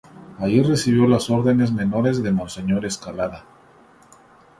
Allí recibió las órdenes menores de Monseñor Escalada.